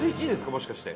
もしかして。